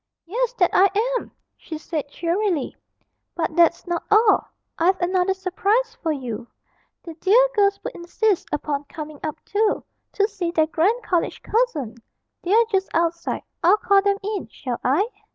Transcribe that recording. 'Yes, that I am!' she said cheerily, 'but that's not all. I've another surprise for you the dear girls would insist upon coming up too, to see their grand college cousin; they're just outside. I'll call them in, shall I?'